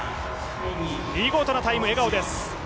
見事ないタイム、笑顔です。